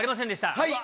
はい。